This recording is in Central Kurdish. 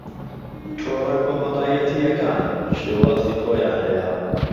تۆڕەکۆمەڵایەتییەکان شێوازی خۆیان هەیە